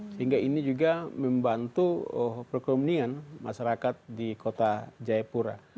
sehingga ini juga membantu perekonomian masyarakat di kota jayapura